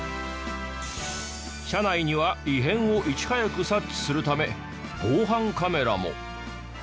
車内には異変をいち早く察知するため防犯カメラも。